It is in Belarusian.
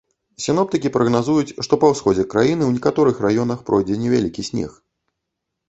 Сіноптыкі прагназуюць, што па ўсходзе краіны ў некаторых раёнах пройдзе невялікі снег.